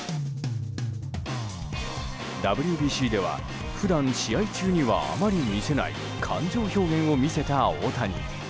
ＷＢＣでは普段試合中にはあまり見せない感情表現を見せた大谷。